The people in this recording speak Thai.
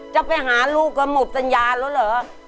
จะไปหาลูกก็หมดสัญญาแล้วเหรอ